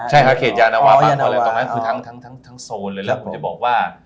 ใช่เขตยานวะบ้างตรงนั้นคือทั้งโซนเลย